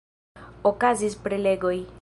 Okazis prelegoj.